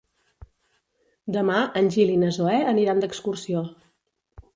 Demà en Gil i na Zoè aniran d'excursió.